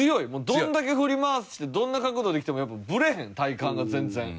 どんだけ振り回してどんな角度できてもやっぱブレへん体幹が全然。